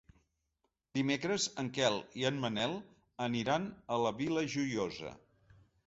Dimecres en Quel i en Manel aniran a la Vila Joiosa.